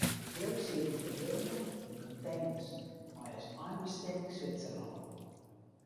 De drugs sieten ferburgen yn konteners mei as einbestimming Switserlân.